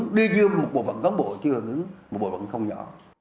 chưa đi vô một bộ phận góng bộ chưa đứng một bộ phận không nhỏ